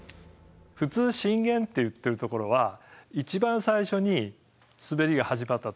普通震源っていってるところは一番最初に滑りが始まったところをいうんですね。